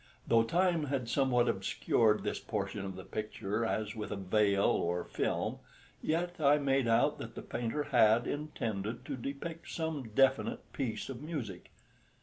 Though time had somewhat obscured this portion of the picture as with a veil or film, yet I made out that the painter had intended to depict some definite piece of music.